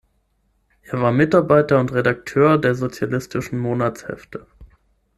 Er war Mitarbeiter und Redakteur der Sozialistischen Monatshefte.